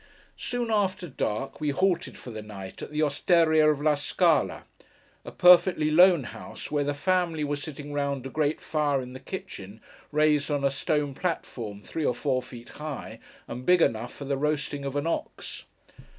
Soon after dark, we halted for the night, at the osteria of La Scala: a perfectly lone house, where the family were sitting round a great fire in the kitchen, raised on a stone platform three or four feet high, and big enough for the roasting of an ox.